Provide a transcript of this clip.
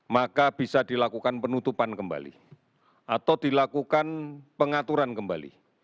maka bisa dilakukan penutupan kembali atau dilakukan pengaturan kembali